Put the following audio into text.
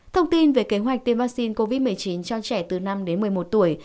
thông tin về kế hoạch tiêm vaccine covid một mươi chín cho trẻ từ năm đến một mươi một tuổi